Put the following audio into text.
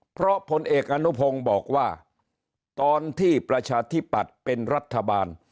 เพราะผลเอกอนุพงศ์บอกว่าตอนที่ประชาธิปัตย์เป็นรัฐบาล